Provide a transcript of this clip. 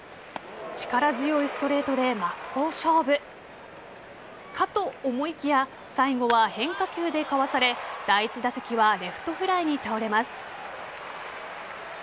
力強いストレートで真っ向勝負かと思いきや最後は変化球でかわされ第１打席はレフトフライに倒れます。